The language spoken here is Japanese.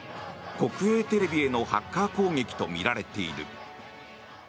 国営テレビへのハッカー攻撃とみられている。